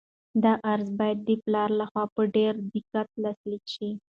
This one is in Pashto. دا عریضه باید د پلار لخوا په ډېر دقت لاسلیک شي.